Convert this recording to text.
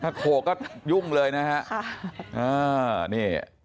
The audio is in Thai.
ถ้าโขก็ยุ่งเลยนะฮะ